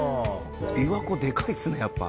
琵琶湖でかいですねやっぱ。